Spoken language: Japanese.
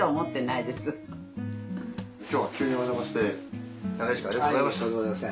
今日は急におじゃまして長い時間ありがとうございました。